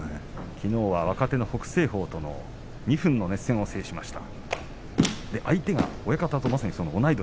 きのうは若手北青鵬と２分の相撲を制しました。